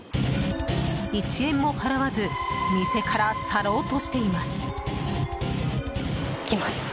一円も払わず店から去ろうとしています。